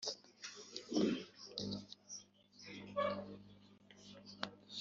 bavanwaga i Babuloni bagasubira i Yerusalemu